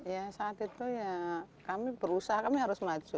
ya saat itu ya kami berusaha kami harus maju